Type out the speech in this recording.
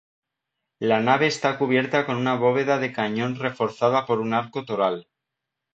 La nave está cubierta con una bóveda de cañón reforzada por un arco toral.